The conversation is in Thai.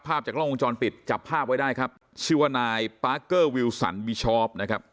จากล้องวงจรปิดจับภาพไว้ได้ครับชื่อว่านายปาร์คเกอร์วิวสันบิชอบนะครับ